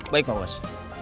baik pak bos